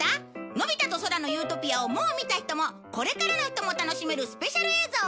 『のび太と空の理想郷』をもう見た人もこれからの人も楽しめるスペシャル映像をお届けするよ。